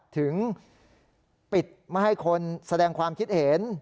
ถึงปิดไม่ให้คนแสดงความคิดเห็น